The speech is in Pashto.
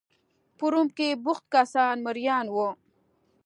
په روم کې بوخت کسان مریان وو.